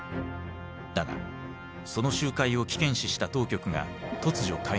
だがその集会を危険視した当局が突如介入。